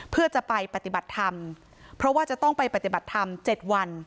เพื่อจะไปปฏิบัติธรรมเพราะว่าจะต้องไปปฏิบัติธรรม๗วัน